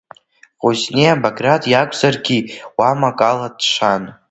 Кәыҵниа Баграт иакәзаргьы, уамак ала дшан.